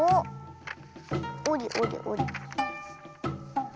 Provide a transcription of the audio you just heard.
おりおりおり。